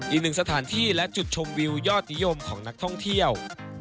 อีกหนึ่งสถานที่และจุดชมวิวยอดนิยมของนักท่องเที่ยว